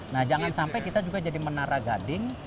nah jangan sampai kita juga jadi menara gading